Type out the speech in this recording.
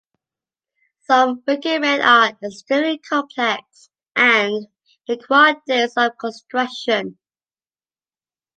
Some wicker men are extremely complex and require days of construction.